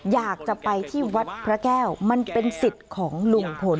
อยากจะไปที่วัดพระแก้วมันเป็นสิทธิ์ของลุงพล